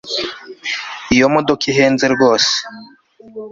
iyo modoka ihenze rwose